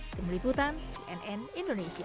kemuliputan cnn indonesia